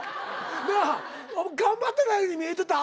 なあ。頑張ってないように見えてた？